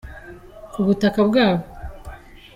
ku butaka bwabo.